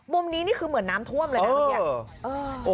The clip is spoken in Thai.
มุมนี้นี่คือเหมือนน้ำท่วมเลยนะเมื่อกี้